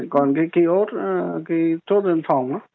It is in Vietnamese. còn cái chốt dân phòng